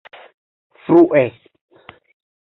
frue